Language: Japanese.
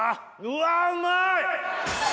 うわうまい！